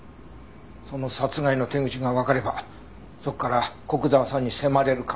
その殺害の手口がわかればそこから古久沢さんに迫れるかもしれないんだけどね。